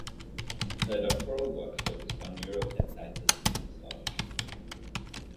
Her doctoral work focused on neuropeptide systems in starfish.